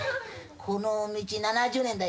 この道７０年だい。